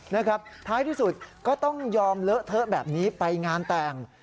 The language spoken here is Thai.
นะครับท้ายที่สุดก็ต้องยอมเลอะเทอะแบบนี้ไปงานแต่ง